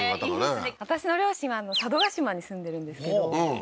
私の両親は佐渡島に住んでるんですけどうん